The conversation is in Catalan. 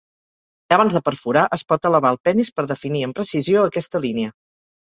Abans de perforar, es pot elevar el penis per definir amb precisió aquesta línia.